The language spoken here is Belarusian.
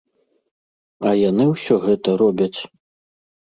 А яны ўсё гэта робяць.